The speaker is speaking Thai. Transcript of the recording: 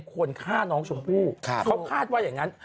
คนฆ่าน้องชมพู่เขาคาดว่าอย่างนั้น